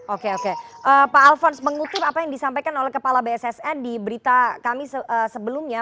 oke oke pak alfons mengutip apa yang disampaikan oleh kepala bssn di berita kami sebelumnya